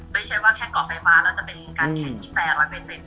ไม่ใช่ว่าแค่กรอบไฟฟ้าจะเป็นการแข่งได้แฟร์รอยไพรเซ็นต์